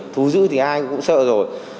thú giữ thì ai cũng sợ rồi